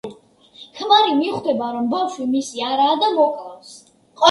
ქმარი მიხვდება, რომ ბავშვი მისი არაა და მოკლავს.